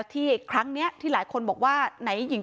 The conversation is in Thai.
ทรัพย์สินที่เป็นของฝ่ายหญิง